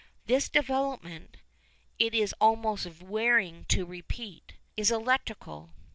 This development, it is almost wearying to repeat, is electrical.